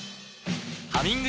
「ハミング」